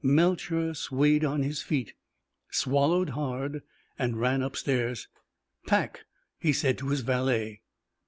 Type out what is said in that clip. Melcher swayed on his feet, swallowed hard, and ran upstairs. "Pack," he said to his valet.